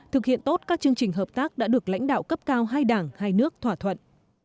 thực hiện tốt các chương trình hợp tác đã được lãnh đạo cấp cao hai đảng hai nước thỏa thuận